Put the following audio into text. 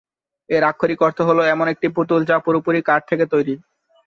এর আক্ষরিক অর্থ হল এমন একটি পুতুল যা পুরোপুরি কাঠ থেকে তৈরি।